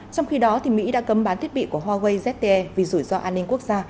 trong khi đó mỹ đã cấm bán thiết bị của huawei zte vì rủi ro an ninh quốc gia